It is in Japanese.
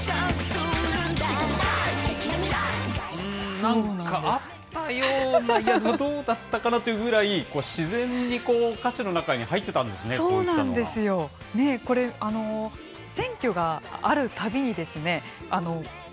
なんかあったような、いやでもどうだったかなというぐらい、自然に歌詞の中に入ってたんですね、こういったのが。